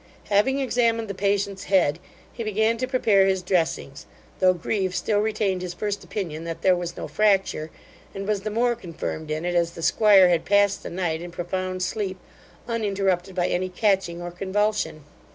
Having examined the patient's head, he began to prepare his dressings; though Grieve still retained his first opinion that there was no fracture, and was the more confirmed in it as the 'squire had passed the night in profound sleep, uninterrupted by any catching or convulsion.